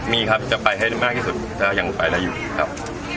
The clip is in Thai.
มีครับจะไปให้มากที่สุดก็ยังไปได้อยู่ครับ